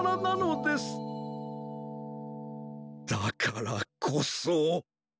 だからこそ。